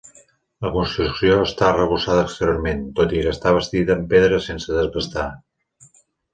La construcció està arrebossada exteriorment, tot i que està bastida amb pedra sense desbastar.